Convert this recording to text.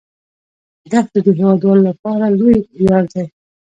دښتې د هیوادوالو لپاره لوی ویاړ دی.